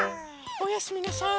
おやすみなさい。